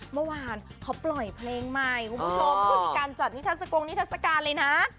เมื่อวานเขาปล่อยเพลงใหม่คุณผู้ชมเพื่อมีการจัดนิทัศกงนิทัศกาลเลยนะ